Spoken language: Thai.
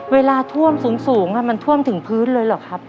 เวลาท่วมสูงมันท่วมถึงพื้นเลยเหรอครับ